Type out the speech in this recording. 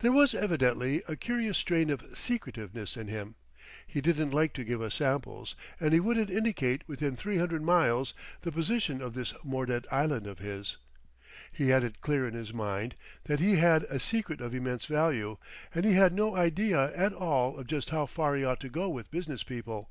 There was evidently a curious strain of secretiveness in him. He didn't like to give us samples, and he wouldn't indicate within three hundred miles the position of this Mordet Island of his. He had it clear in his mind that he had a secret of immense value, and he had no idea at all of just how far he ought to go with business people.